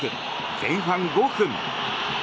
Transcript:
前半５分。